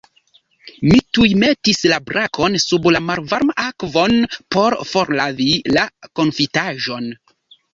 Mi tuj metis la brakon sub malvarman akvon por forlavi la konfitaĵon.